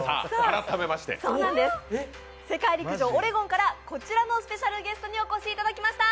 世界陸上オレゴンからこちらのスペシャルゲストにお越しいただきました。